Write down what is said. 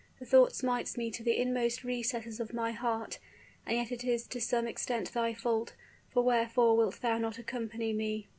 The thought smites me to the inmost recesses of my heart. And yet it is to some extent thy fault, for wherefore wilt thou not accompany me?"